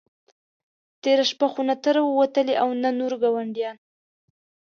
تېره شپه خو نه ته را وتلې او نه نور ګاونډیان.